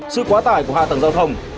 sự quá tải của hạ tầng giao thông